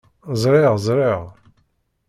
Zriɣ…Zriɣ…